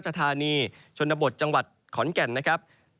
ก็คือบริเวณอำเภอเมืองอุดรธานีนะครับ